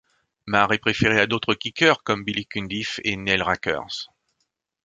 Mare est préféré à d'autres kickers comme Billy Cundiff et Neil Rackers.